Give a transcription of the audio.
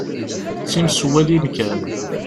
D times n walim kan.